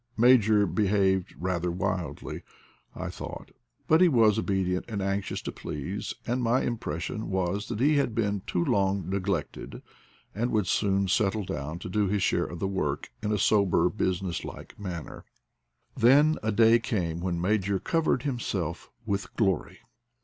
Major behaved rather wildly, I thought, but he was obedient and anxious to please, and my impression was that he had been A DOG IN EXILE 63 too long neglected, and would soon settle down to do his share of the work in a sober, business like manner. Then a day came when Major covered himself with glory.